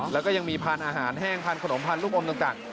แล้วก็ยังมีพันธุ์อาหารแห้งพันธุ์ขนมพันธลูกอมต่าง